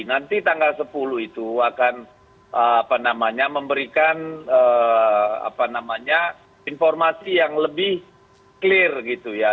nanti tanggal sepuluh itu akan memberikan informasi yang lebih clear gitu ya